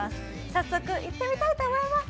早速行ってみたいと思います。